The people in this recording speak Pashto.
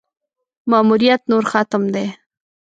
ماموریت نور ختم دی.